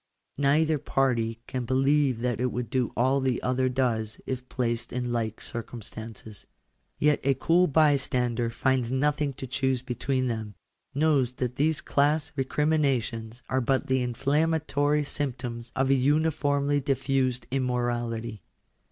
Neither j party can believe that it would do all the other does if placed i in like circumstances. Tet a cool bystander finds nothing to / choose between them; knows that these class recriminations / are but the inflammatory symptoms of a uniformly diffused im i morality.